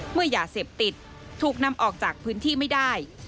ยาเสพติดถูกนำออกจากพื้นที่ไม่ได้